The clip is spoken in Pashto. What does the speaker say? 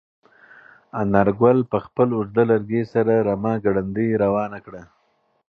انارګل په خپل اوږد لرګي سره رمه ګړندۍ روانه کړه.